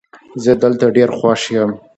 زه دلته ډېر خوښ یم